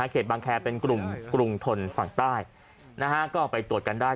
เขตบางแคร์เป็นกลุ่มกรุงทนฝั่งใต้นะฮะก็เอาไปตรวจกันได้